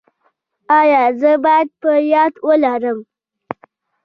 ایا زه باید په یاد ولرم؟